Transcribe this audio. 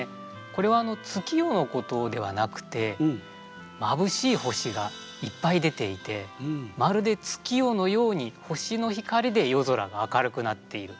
これは月夜のことではなくてまぶしい星がいっぱい出ていてまるで月夜のように星の光で夜空が明るくなっている。